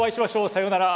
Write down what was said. さようなら。